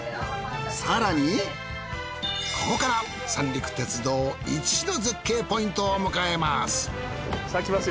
更にここから三陸鉄道一の絶景ポイントを迎えます